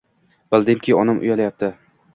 Bildimki, onam uyalyapti.